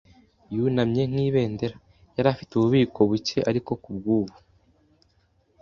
yunamye nk'ibendera. Yari afite ububiko-buke ariko kubwubu.